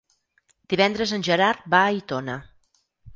Divendres en Gerard va a Aitona.